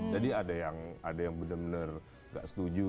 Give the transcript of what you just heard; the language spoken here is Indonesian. jadi ada yang benar benar gak setuju